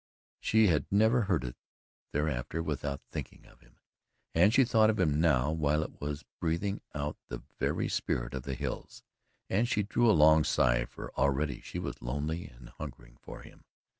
She had never heard it thereafter without thinking of him, and she thought of him now while it was breathing out the very spirit of the hills, and she drew a long sigh for already she was lonely and hungering for him.